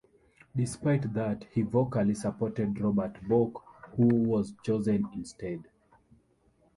Despite that, he vocally supported Robert Bork, who was chosen instead.